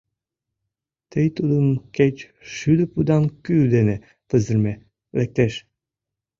Тый тудым кеч шӱдӧ пудан кӱ дене пызырыме, лектеш.